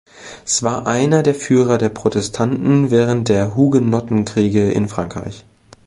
Er war einer der Führer der Protestanten während der Hugenottenkriege in Frankreich.